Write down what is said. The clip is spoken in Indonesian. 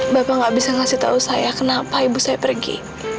bapak gak bisa ngasih tahu saya kenapa ibu saya pergi